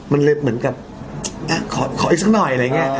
มันเหมือนกับขออีกสักหน่อย